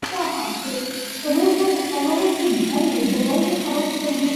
نہیں تھا لیکن بڑے بڑے اشتہارات نکالے جاتے یہ باور